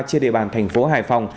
trên địa bàn thành phố hải phòng